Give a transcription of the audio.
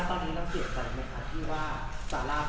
แล้วตอนนี้รับเขตใจไหมครับที่ว่าซาร่าเป็นแม่ของลูกของผม